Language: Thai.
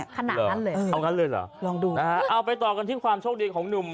ขนาดนั้นเลยลองดูเอาไปต่อกันที่ความโชคดีของหนุ่ม